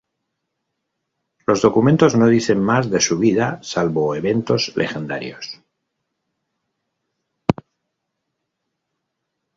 Los documentos no dicen más de su vida, salvo eventos legendarios.